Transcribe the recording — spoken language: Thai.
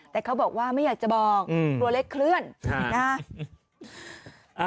แต่เขาบอกว่าไม่อยากจะบอกอืมรัวเล็กเคลื่อนอ่า